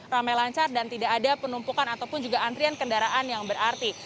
ramai lancar dan tidak ada penumpukan ataupun juga antrian kendaraan yang berarti